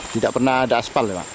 tidak pernah ada asfal pak